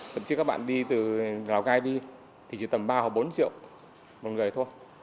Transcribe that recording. thậm chí các bạn đi từ lào cai đi thì chỉ tầm ba hoặc bốn triệu một người thôi